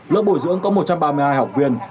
lớp bồi dưỡng có một trăm ba mươi hai học viên